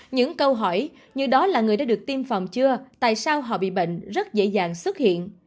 những câu hỏi như đó là người đã được tiêm phòng chưa tại sao họ bị bệnh rất dễ dàng xuất hiện